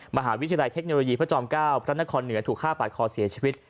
มหาวิทยาลัยเทคโนโลยีพระจอม๙พระนครเหนือถูกฆ่าปาดคอเสียชีวิต